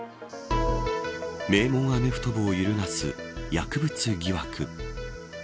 名門アメフト部を揺るがす薬物疑惑。